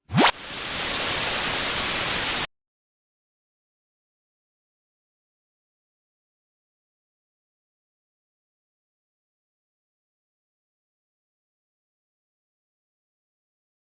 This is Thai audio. สวัสดีครับทุกคน